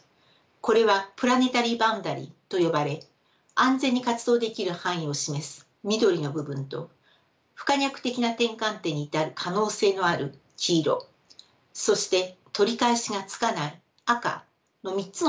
これはプラネタリー・バウンダリーと呼ばれ安全に活動できる範囲を示す緑の部分と不可逆的な転換点に至る可能性のある黄色そして取り返しがつかない赤の３つの領域から出来ています。